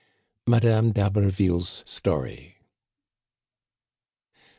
MADAME d'hABERVILLE'S STORY.